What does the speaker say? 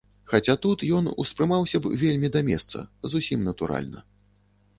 Хаця тут ён успрымаўся б вельмі да месца, зусім натуральна.